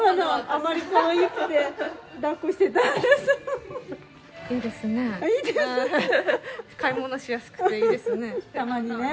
たまにね。